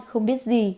không biết gì